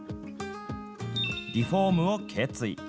リフォームを決意。